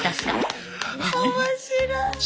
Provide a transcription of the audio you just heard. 面白い。